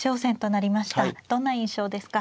どんな印象ですか。